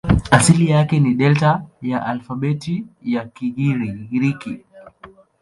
Asili yake ni Delta ya alfabeti ya Kigiriki.